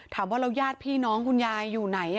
ถามว่ายาดพี่น้องคุณยายอยู่ไหน